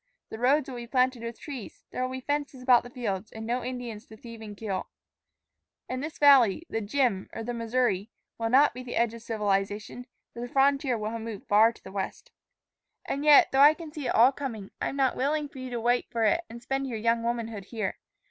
The roads will be planted with trees. There will be fences about the fields, and no Indians to thieve and kill. And this valley, the 'Jim,' or the Missouri, will not be the edge of civilization, for the frontier will have moved far to the west. "And yet, though I can see it all coming, I am not willing for you to wait for it and spend your young womanhood here.